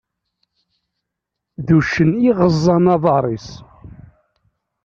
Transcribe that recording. D uccen iɣeẓẓan aḍar-is.